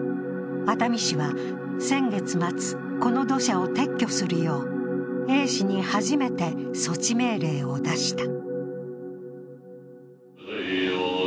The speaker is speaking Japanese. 熱海市は先月末、この土砂を撤去するようＡ氏に初めて措置命令を出した。